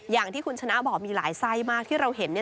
อย่างที่คุณชนะบอกมีหลายไส้มากที่เราเห็น